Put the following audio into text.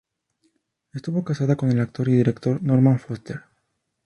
Estuvo casada con el actor y director Norman Foster.